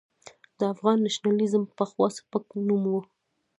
د افغان نېشنلېزم پخوا سپک نوم و.